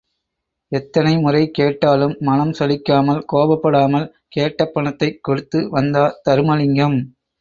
எத்தனை முறை கேட்டாலும் மனம் சலிக்காமல், கோபப்படாமல், கேட்ட பணத்தைக் கொடுத்து வந்தார் தருமலிங்கம்.